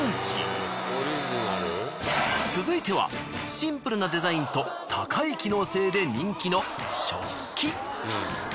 続いてはシンプルなデザインと高い機能性で人気の食器。